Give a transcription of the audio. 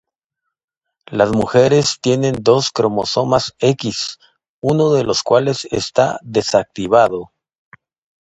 Las mujeres tienen dos cromosomas X, uno de los cuales está "desactivado".